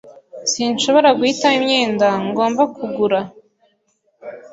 Sinshobora guhitamo imyenda ngomba kugura.